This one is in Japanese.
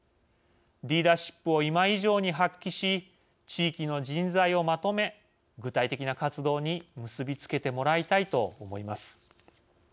リーダーシップを今以上に発揮し地域の人材をまとめ具体的な活動に結び付けてもらいたいと思います。